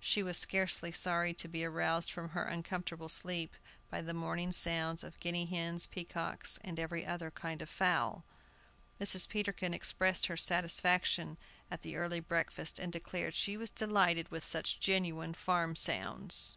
She was scarcely sorry to be aroused from her uncomfortable sleep by the morning sounds of guinea hens, peacocks, and every other kind of fowl. Mrs. Peterkin expressed her satisfaction at the early breakfast, and declared she was delighted with such genuine farm sounds.